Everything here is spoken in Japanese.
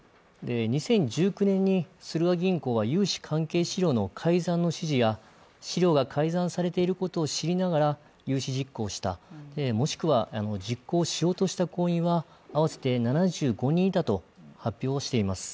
２０１９年にスルガ銀行は融資関係資料の改ざんの指示や資料が改ざんされていることを知りながら融資実行した、もしくは実行しようとした行員は合わせて７５人いたと発表しています。